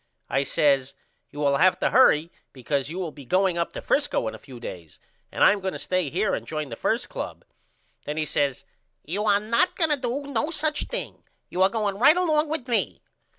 I says You will have to hurry because you will be going up to Frisco in a few days and I am going to stay here and join the 1st club. Then he says You are not going to do no such a thing. You are going right along with me.